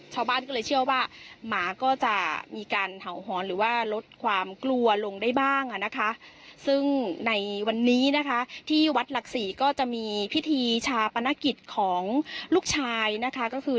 ชาวบ้านก็เลยเชื่อว่าหมาก็จะมีการเห่าหอนหรือว่าลดความกลัวลงได้บ้างอ่ะนะคะซึ่งในวันนี้นะคะที่วัดหลักศรีก็จะมีพิธีชาปนกิจของลูกชายนะคะก็คือ